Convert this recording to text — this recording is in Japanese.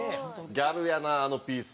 ギャルやなあのピースね。